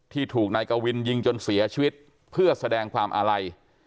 ถูกนายกวินยิงจนเสียชีวิตเพื่อแสดงความอาลัย